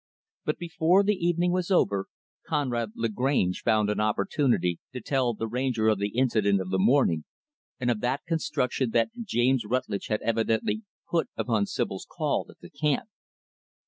But before the evening was over, Conrad Lagrange found an opportunity to tell the Ranger of the incident of the morning, and of the construction that James Rutlidge had evidently put upon Sibyl's call at the camp.